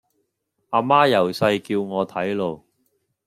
啊媽由細叫我睇路